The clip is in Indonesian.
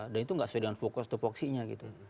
dan itu nggak sesuai dengan fokus topoksinya gitu